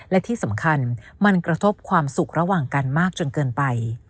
และที่สำคัญมันกระทบความสุขระหว่างกันมากจนเกินไป